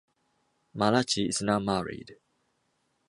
Malachi is now married.